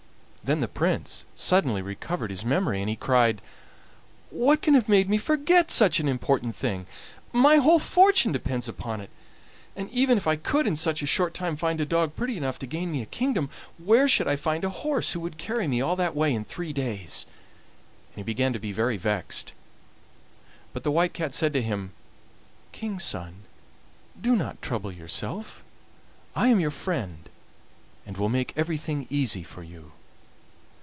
Then the Prince suddenly recovered his memory, and cried: "What can have made me forget such an important thing? My whole fortune depends upon it; and even if I could in such a short time find a dog pretty enough to gain me a kingdom, where should I find a horse who would carry me all that way in three days?" And he began to be very vexed. But the White Cat said to him: "King's son, do not trouble yourself; I am your friend, and will make everything easy for you.